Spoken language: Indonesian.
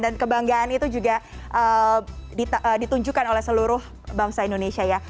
dan kebanggaan itu juga ditunjukkan oleh seluruh bangsa indonesia ya